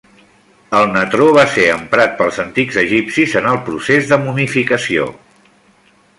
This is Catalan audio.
El natró va ser emprat pels antics egipcis en el procés de momificació.